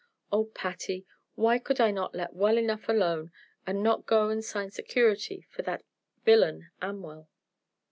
Oh, Patty, why could I not let well enough alone, and not go and sign security for that villain, Amwell?"